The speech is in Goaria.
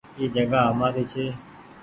اي جگآ همآري ڇي۔